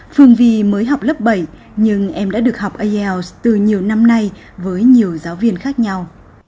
phương vi mới học lớp bảy nhưng em đã được học ielts từ nhiều năm nay với nhiều giáo viên khác nhau